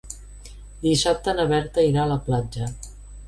Dissabte na Berta irà a la platja.